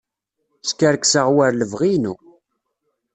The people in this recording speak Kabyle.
Skerkseɣ war lebɣi-inu.